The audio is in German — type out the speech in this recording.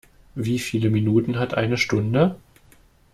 Wie viele Minuten hat eine Stunde?